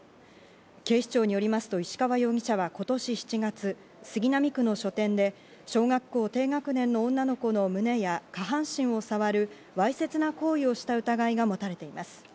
警視庁によりますと、石川容疑者は今年７月、杉並区の書店で小学校低学年の女の子の胸や下半身を触るわいせつな行為をした疑いが持たれています。